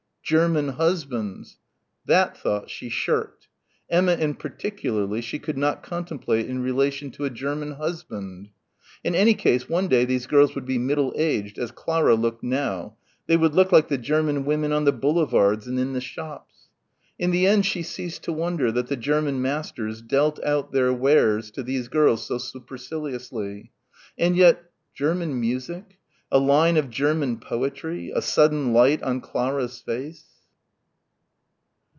German husbands. That thought she shirked. Emma in particular she could not contemplate in relation to a German husband. In any case one day these girls would be middle aged ... as Clara looked now ... they would look like the German women on the boulevards and in the shops. In the end she ceased to wonder that the German masters dealt out their wares to these girls so superciliously. And yet ... German music, a line of German poetry, a sudden light on Clara's face....